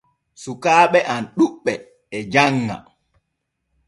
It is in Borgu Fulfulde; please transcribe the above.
Sukkaaɓe am ɗuɓɓe e janŋa.